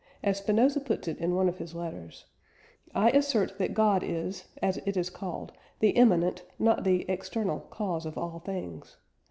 As Spinoza puts it in one of his letters: "I assert that God is (as it is called) the immanent, not the external cause of all things.